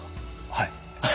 はい。